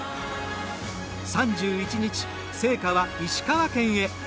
３１日、聖火は石川県へ。